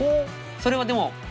それはでも。